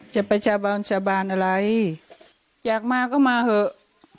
จะไปสาบานสาบานอะไรอยากมาก็มาเถอะ